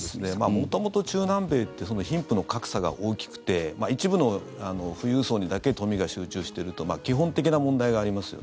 元々中南米って貧富の格差が大きくて一部の富裕層にだけ富が集中しているという基本的な問題があります。